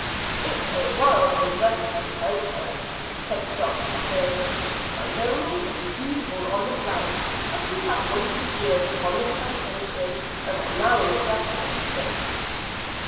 "It's a wild and desperate adventure," said the doctor sternly, "and only excusable on the ground that we have wasted years upon this plantation and are now in a desperate state."